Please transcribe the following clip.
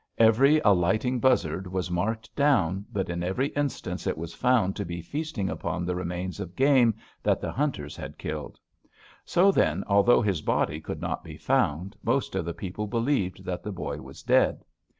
Every alighting buzzard was marked down, but in every instance it was found to be feasting upon the remains of game that the hunters had killed. So then, although his body could not be found, most of the people believed that the boy was dead.